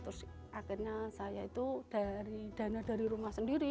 terus akhirnya saya itu dari dana dari rumah sendiri